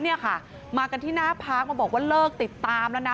เนี่ยค่ะมากันที่หน้าพักมาบอกว่าเลิกติดตามแล้วนะ